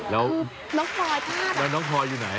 แล้วน้องพลอยพี่แล้วน้องพลอยอยู่ไหน